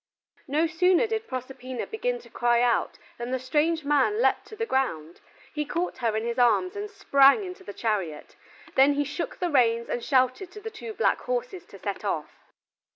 No sooner did Proserpina begin to cry out than the strange man leaped to the ground; he caught her in his arms and sprang into the chariot, then he shook the reins and shouted to the two black horses to set off.